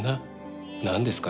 何ですか？